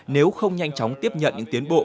nếu không nhanh chóng tiếp nhận những tiến bộ